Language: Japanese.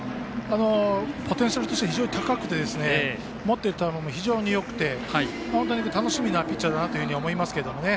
ポテンシャルとしては非常に高くて持っていた球も非常によくて本当に楽しみなピッチャーだと思いますけれどもね。